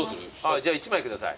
じゃあ１枚下さい。